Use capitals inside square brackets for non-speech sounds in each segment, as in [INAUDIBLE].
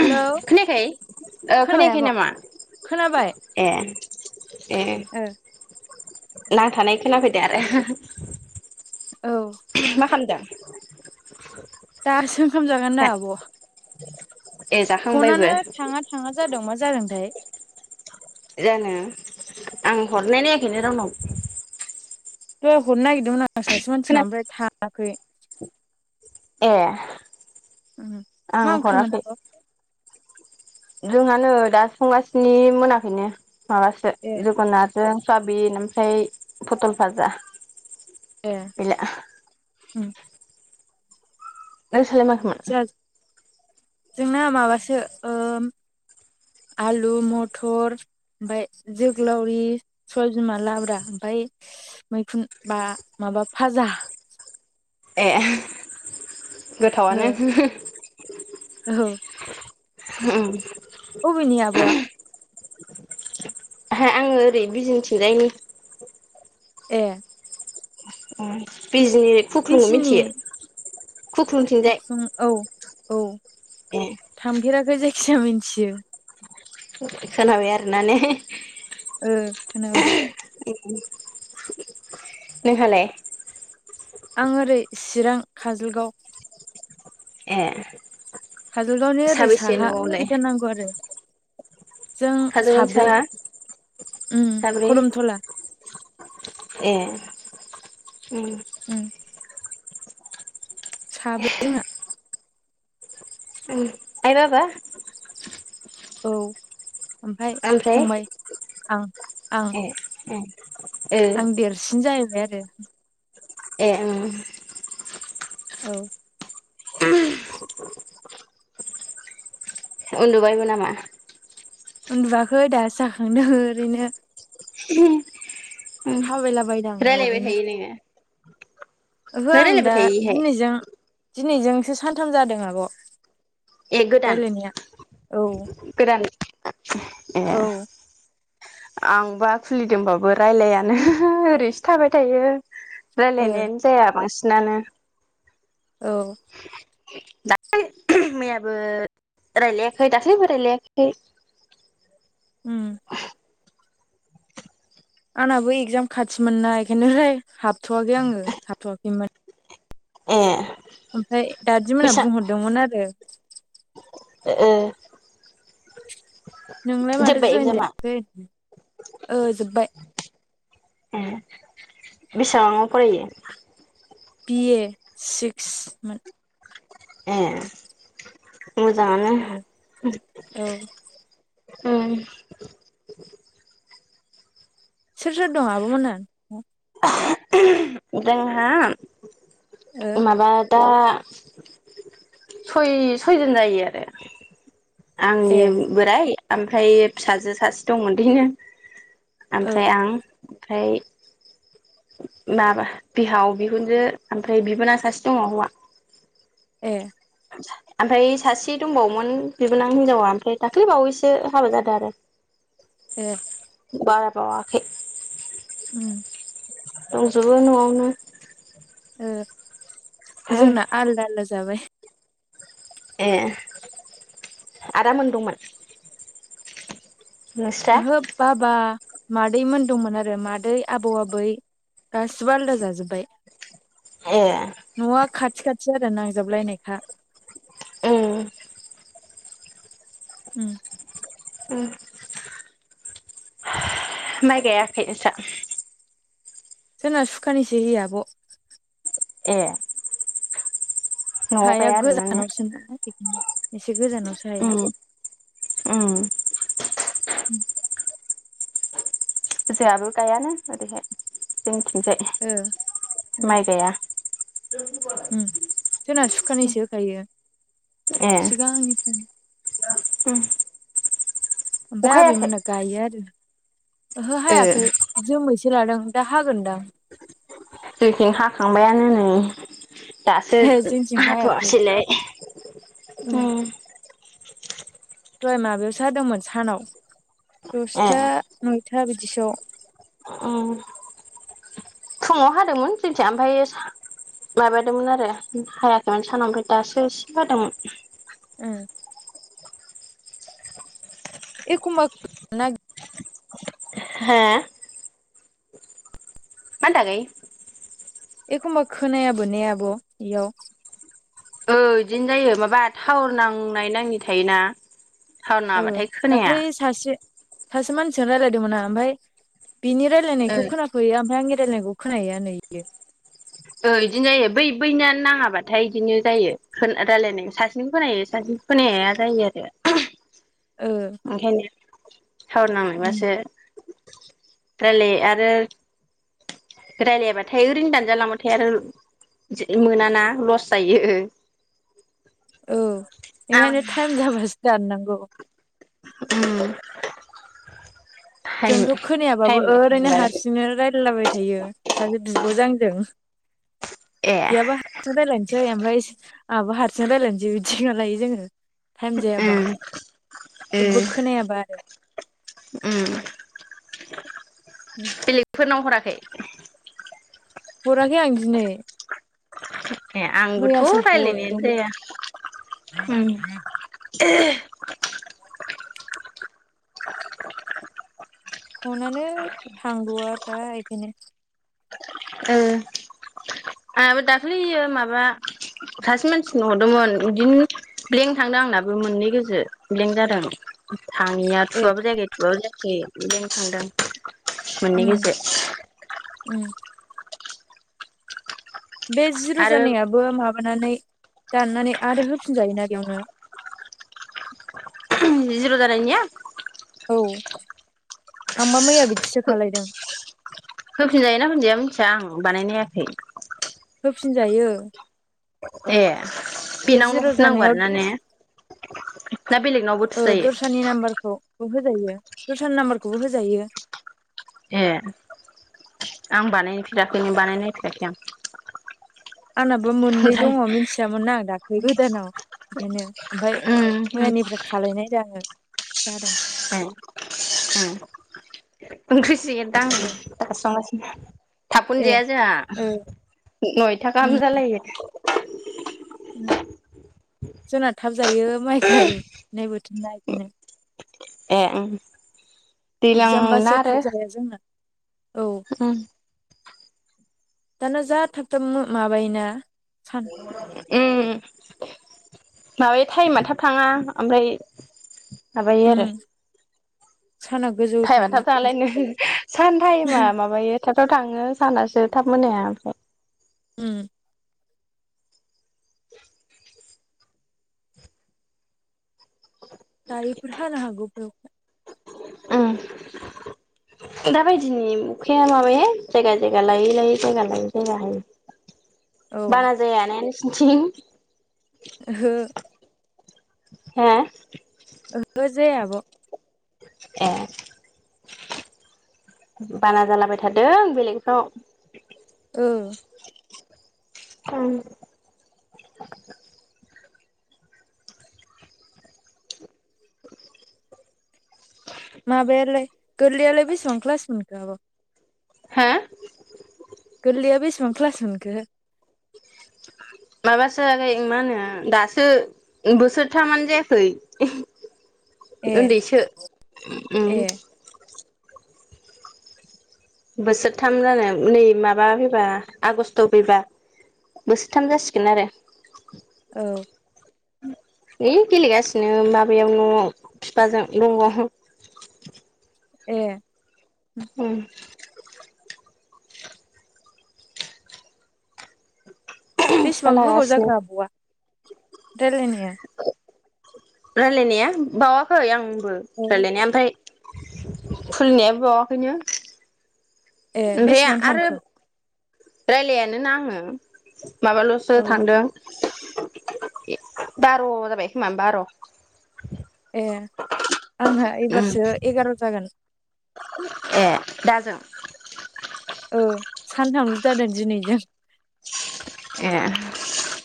Hello खोनायाखै खोनाबाय खोनायाखै आब' नामा? खोनाबाय ए ए नांथानाय‌ खोनाफैदो आरो औ मा खालामदों? दासो ओंखाम जागोन ना आब' ए जाखांबायबो फनानो थाङा थाङा जादों मा जादोंथाय जानो आं हरनाय नायाखैनो दंनाव द हरनो नागिरदोंमोन आं सासे खोना मानसिनाव ओमफ्राय थाङाखै ए आं मा ओंख्रिमोन हराखै आब' जोंहानो दा संगसिनि मोनाखैनो माबासो ए जोगन्नाथ जों साबिन ओमफ्राय फटल भाजा ए बिला उम नों सालाय मा जोंना माबासो ओ आलु मथर ओमफ्राय जोगोलावरि सबाय बिमा लाब्रा ओम फ्राय मैखुन बा माबा फाजा ए ओ गोथावानो औ उम अबेनि आबआ आङो ओरै बिजिंथिंजायनि ए बिजनि खुख्रुखौ मिथियो खुख्लुंथिंजाय खुखुं औ औ ए थामफेराखै जायखिज मोनथियो खोनाबाय आरोना ओ खोनाबाय ए नोंहालाय आं ओरै चिरां काजलगाव ए काजलगावनि ओरै साबेसे साहा न'आवलाय फैथारनांगौ आरो जों खाजोलगावनि साब्रै साहा साब्रै खरमथला ए उम साब्रै जोहा आय-बाबा औ ओमफ्राय फंबाय आंं ए ए ओ आं देरसिन जाहैबाय आरो ए उम औ उन्दुबायबो नामा उन्दुआखै दा जाखांदों ओरैनो [INAUDIBLE] उम थाबायलाबायद आङो रायलायबाय ओरैनो थायो नोङो नों ओहो आं रायलायबाय दा थायो इहाय दिनैजों दिनैजोंसो सानथाम जादों आब' ए गोदान रायलायनाया औ गोदान ए औ आंबा खुलिदोंबाबो रायलायानो ओरैसो थाबाय थायो ओ रायलायनायानो जाया बांसिनानो औ दा मैयाबो रायजलायाखै दाख्लैबो रायलायाखै उम आंहाबो एगजाम खाथिमोननाय बेखायनो राय हाबथ'वाखै आङो हाबथ'वाखैमोन ए ओमफ्राय दाजदमोनहा बेसा बुंहरदोंमोन आरो ओ नोंलाय माथो जोब्बाय जयेन एगजामा जायाखै ओ जोब्बाय ए बेसेबांआव बायो बिए सिक्समोन ए मोजाङानो औ उम सोर सोर दं आब'मोनहा ओ जोंहा माबा दा सय सयजन जायो आरो ए आंनि बोराइ ओमफ्राय फिसाजो सासे दंमोन बेनो ओ ओमफ्राय आं ओमफ्राय माबा बिहाव बिहुनजो ओमफ्राय बिबोनां सासे दङ हौवा ए ओमफ्राय सासे दंबावोमोन बिबोनां हिनजावा ओमफ्राय दाख्लैबावैसो हाबा जादों आरो [UNINTELLIGIBLE] ए बारा बाववाखोय उम दंजोबो न'आवनो जोंना आलदा आलदा जाबाय ए आदामोन दंमोन नोंस्रा ओहो बाबा मादै मोन दंमोन आरो मादै आबौ आबै गासिबो आलदा जाजोबबाय ए न'आ खाथि खाथि आरो नांजाबलायनायखा उम उम उम माइ गायाखै नोंसा जोंना सुखानिसो होयो आब' ए न'आव हाया गाया आरोना ने? गोजानावसो ना बेखायनो एसे गोजानावसो अ हाया अ जोंहाबो गायानो ओरैहाय ओ जोंथिंजाय उम माइ गाया उम जोंना सुखानैसो ए दां [UNINTELLIGIBLE] उम ओमफ्राय अखा हायाखै? आबैमोना गायो आरो ओहो ओ हायाखै जोमैसो लादों दा हागोनदां जोंथिं हाखांबाययानो नै दासो ए जोंथिं हायाखै हाथवासोयलाय उम दहाय माबायावसो हादोंमोन सानाव ए दसथा नयथा बिदिसोआव उम फुंङाव हादोंमोन जोंथिं ओमफ्राय माबादोंमोन आरो हायाखैमोन सानाव ओमफ्राय दासो एसे हादोंमोन। ओ एखमबा [INAUDIBLE] हा? मा होन्दों आगै? एखमबा खोनायाबो ने आब' इयाव औ बिदिनो जायो माबा टाववार नांनाय नाङै थायोना थावआर ओ नाङाबाथाय खोनाया। दाख्लै सासे सासे मानसिजों रायलायदोंमोन आं ओमफाय बिनि ओ रायजलायनायखौ खो फैया ओमफाय आंनि रायलायनायखौ खोनाहैयानो इयो। ओ इदिनो जायो बै बैनि नाङाबाथाय बिदिनो जायो रायलायनाय सासेनिखौ खोनायो सासेनि खोनाहैया जायो आरो ओ ओंखायनो टावार उम नांनायबासो रायलायो आरो रायलायाबाथाय ओरैनो दानजालांबा [UNINTELLIGIBLE] मोनाना लस जायो। औ ओंखायनो टाइम जाबासो दाननांगौ। उम टाइम जोंथ' खोनायाबाबो टाइम बाय टाइम ओरैनो रायलाय हारसिंनो रायज्लायलाबाय थायो सासे बिब'जों आजों। ए इयाबा हारसिं रायलायनोसै ओमफाय आंहाबो हारसिं राय्लायनोसै बिदिसो खालायो जोङो। टाइम जायाबा उम उम जेबो खोनायाबा आरो उम। उम। बेलेगफोरनाव हराखै? हराखै आं दिनै। मैयासो ए हरदोंमोन आंबोथ' रायलायनायानो उम जाया ओम फनानो थांद'वाब्रा एखायनो ओ आंहाबो दाख्लैयो माबा सासे मानसिनो हरदोंमोन बिदिनो ब्लेंक थांदों आंनाबो मोननै गोजो ब्लेंक जादों। थाङैया ए थुबाबो जायाखै थुबाबो जायाखै बिदिनो थांदों। मोननै उम गोजो उम बे आरो जिर'जानायाबो माबानानै दाननानै आरो होफिनजायोना बेयावनो? जिर' जानायनिया? औ आंबा मैया बिदिसो खालायदों। होफिनजायोना होफिनजाया मिथिया आं बानायनायाखै। होफिनजायो। ए बे बेनावनो जिर' हरफिननांगौ जानायाव आरोना ने ना बेलेगनावबो थुजायो दस्रानि नाम्बारखौबो होजायो दस्रानि नाम्बारखौबो होजायो। ए आं बानायफेराखैनो बानायनायफेराखै आं। आंनाबो मोननै दङ मिथियामोन आं दाख्लै गोदानाव बेखायनो ओमफाय ओमफ्राय उम मैयानिफ्राय खालायनाय जायाखै जादों। ओम ओम ओंख्रिसो एरदां ओ दासो संगासिनो थाबखौनो ए जाया जोंहा ओ नयथा उम गाहाम जालायो। उम जोंना थाब जायो माइ गायनाय बोथोरनो बेदिनो। ए ओ एगजामबासो थाब जाया जोंना औ। उम दाना जा थाबथाब माबायोना सा उम माबायो टाइमा थाब थाङा आमफाय माबायो उम आरो साना गोजौ टाइमआ थायो थाब थाङालायनो सान टाइमा माबायो थाब थाब थाङो सानासो थाब मोनाया ओमफ्राय उम दोयोफोर हानो हागौ बे अखाया उम। दाबायदिनि अखाया माबाहाय जायगा जायगा लायै लायै जायगा लायै जायगा औ हायो। बाना ओहो जायाना नोंसिनिथिं? ओहो हा? ओहो जाया आब'। ए बाना जालाबाय थादों बेलेगाव। औ औ [INAUDIBLE] माबायालाय गोरलैयालाय बेसेबां क्लास मोनखो आब'? हा? गोरलैया बेसेबां क्लास मोनखो? माबासो आगै मा होनो दासो बोसोरथामानो जायाखै ए उन्दैसो उम ए बोसोरथाम जानो नै माबा फैबा आगस्ट' फैबा बोसोरथाम जासिगोन आरो। औ ए गेलेगासिनो माबायाव न'आव बिफाजों दङ ए उम बेसेबां गोबाव लागासिनो जाखो आबौआ रायज्लायनाया? रायलायनाया बावाखै आंबो औ रायलायनाया ओमफ्राय फुलिनायाबो बावाखैनो ए ओमफ्राय बेसेबां आरो थांखो रायलायानोना आङो माबाल'सो सोर औ थांदों बार' जाबाय खोमा बार'। ए आंना उम एबारसो एगार' जागोन ए दा जों औ सानथामल' जादों दिनैजों ए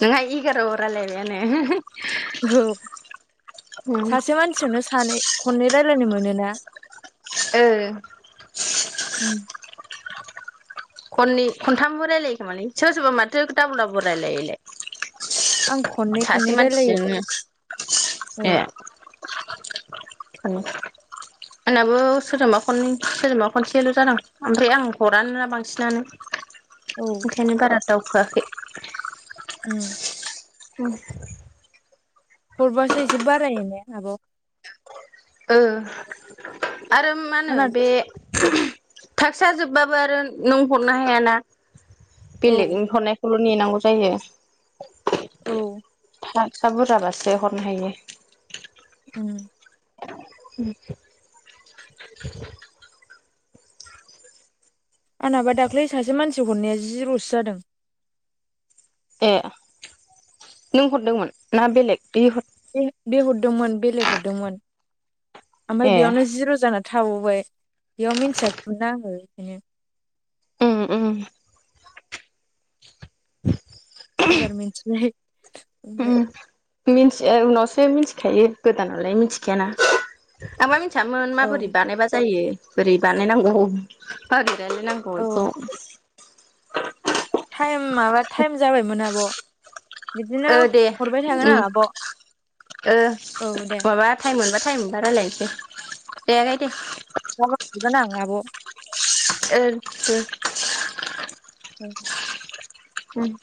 नोंहा एगाराव अरालायबायानो औ सासे मानसिजोंनो सानै खननै रायलायनो मोनोना? ओ उ खननै खनथामबो रायलायो खोमालै सोरबा माथो दाबल दाबल रायलायोलाय। आं खननै सासे खननै रायलायो मानसिजोंनो ओ ए उम आंनाबो सोरजोंबा खन सोरजोंबा खनसेल' जादों ओमफ्राय आं हराना बांसिन दानो औ ओंखायनो बारा दावखोआखै। उम उम हरबासो एसे बारायो ने आब'? ओ आरो मा होनो आंना बे थाखसा जोबबाबो आरो नों हरनो हायाना औ बेलेगनि हरनायखौल' नेनांगौ जायो। औ हसा बुरजा ब्लासो हरनो हायो उम उम आंहाबा दाख्लै सासे मानसि हरनाया जिरसो जादों ए नों हरदोंमोन ना बेलेग बे बे हरदोंमोन बेलेग हरदोंमोन ओमफ्राय ए बेयावनो जिर' जाना थाबोबाय बेयाव मिथियाखैमोना आंङो बेखायनो उम उम [UNINTELLIGIBLE] एबार मिथिनाय ओमफ्राय मिन्थियो उनावसो मिथिखायो गोदानावलाय मिथिखायाना। आं मा मिथियामोन औ माबोरै बानायबा जायो बोरै बानायनांगौ। औ ' [UNINTELLIGIBLE] थाइम माबा थाइम जाबायमोन आब'। बिदिनो ओ दे हरबाय थागोन उम आं आब' औ दे। थाइम मोनबा थाइम मोनबा रायलायनोसै दे आगै दे। [UNINTELLIGIBLE] आब' [UNINTELLIGIBLE] उम हुम